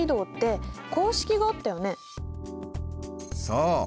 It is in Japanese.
そう。